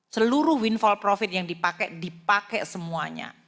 seluruh windfall profit yang dipakai dipakai semuanya